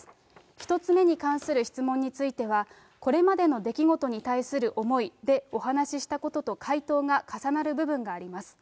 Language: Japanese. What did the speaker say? １つ目に関する質問については、これまでの出来事に対する思いでお話したことと回答が重なる部分があります。